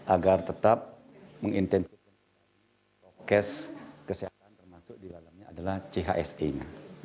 agar tetap mengintensifkan prokes kesehatan termasuk di dalamnya adalah chse nya